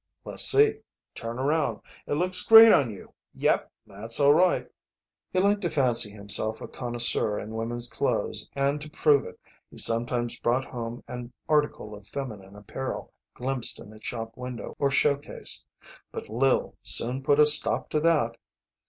"Le's see. Turn around. It looks great on you. Yep. That's all right." He liked to fancy himself a connoisseur in women's clothes and to prove it he sometimes brought home an article of feminine apparel glimpsed in a shop window or showcase, but Lil soon put a stop to that.